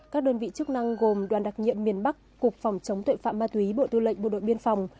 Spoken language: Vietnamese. các đơn vị chức năng gồm đoàn đặc nhiệm miền bắc cục phòng chống tội phạm ma túy bộ tư lệnh bộ đội biên phòng